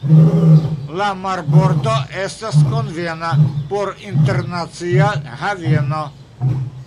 La marbordo estas konvena por internacia haveno.